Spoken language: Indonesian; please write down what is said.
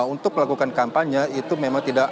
untuk melakukan kampanye itu memang tidak